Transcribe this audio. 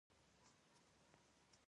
بوټونه د اختر په ورځ ضرور نوي اخیستل کېږي.